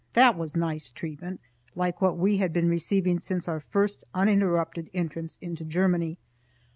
That was nice treatment, like what we had been receiving since our first uninterrupted entrance into Germany.